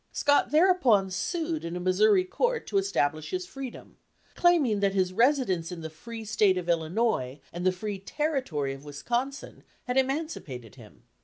Scott thereupon sued in a Missouri court to establish his freedom, claiming that his residence in the free state of Illinois and the free Territory of Wisconsin had emancipated him.